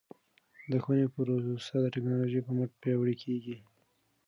د ښوونې پروسه د ټکنالوژۍ په مټ پیاوړې کیږي.